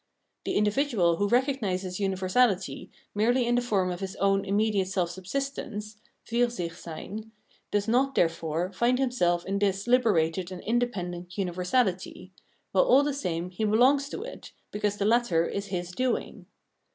The individual who recognises universahty merely in the form of his own immediate self subsistence {Fiirsichseyn) does not, therefore, find himself in this liberated and independent universality, while all the same he belongs to it, because the latter is his doing.